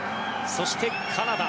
そしてカナダ。